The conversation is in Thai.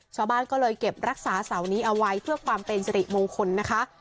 ชาวบ้านก็เลยเก็บรักษาเสานี้เอาไว้เพื่อความเป็นสิริมงคลนะคะ